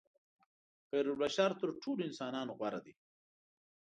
خیرالبشر تر ټولو انسانانو غوره دي.